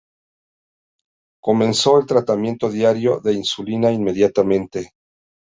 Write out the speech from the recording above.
Comenzó el tratamiento diario de insulina inmediatamente.